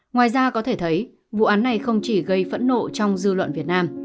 ngoài ra có thể thấy vụ án này không chỉ gây phẫn nộ trong dư luận việt nam